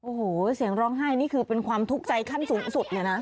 โอ้โหเสียงร้องไห้นี่คือเป็นความทุกข์ใจขั้นสูงสุดเลยนะ